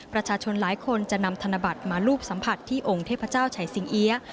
ประชาชนหลายคนจะนำธนบัตรมารูปสัมผัสที่องค์เทพเจ้าชัยสิงเอี๊ยะ